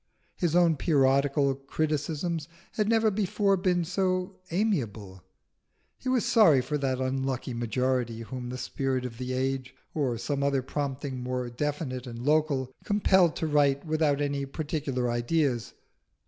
His own periodical criticisms had never before been so amiable: he was sorry for that unlucky majority whom the spirit of the age, or some other prompting more definite and local, compelled to write without any particular ideas.